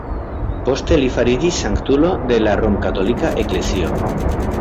Poste li fariĝis sanktulo de la rom-katolika Eklezio.